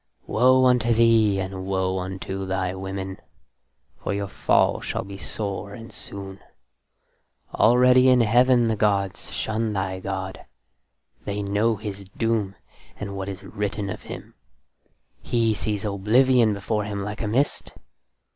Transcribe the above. Woe unto thee, and woe unto thy women, for your fall shall be sore and soon. Already in Heaven the gods shun thy god: they know his doom and what is written of him: he sees oblivion before him like a mist.